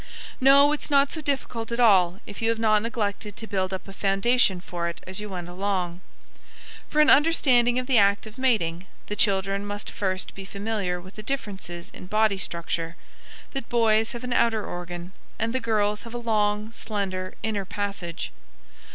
No, it's not so difficult at all if you have not neglected to build up a foundation for it as you went along. For an understanding of the act of mating, the children must first be familiar with the differences in body structure that boys have an outer organ, and the girls have a long, slender inner passage.